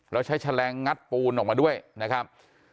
แล้วใช้แฉลงงัดปูนออกมาด้วยนะครับ